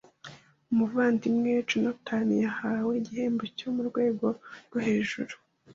Umuvandimwe Jonatani yahawe igihembo cyo murwego rwo hejuru